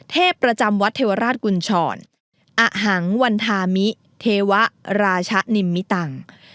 เทพประจำวัดเทวราชกุญชรอหังวันธามิเทวราชนิมมิตัง